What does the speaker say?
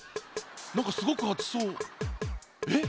なんかすごくあつそうえっ？